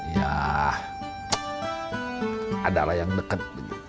ya ada lah yang deket